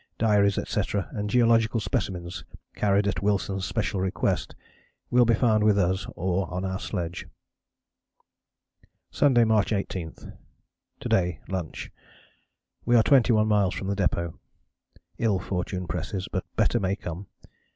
Diaries, etc., and geological specimens carried at Wilson's special request, will be found with us or on our sledge." "Sunday, March 18. To day, lunch, we are 21 miles from the depôt. Ill fortune presses, but better may come.